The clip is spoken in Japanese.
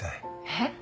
えっ？